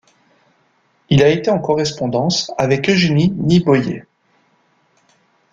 Il a été en correspondance avec Eugénie Niboyet.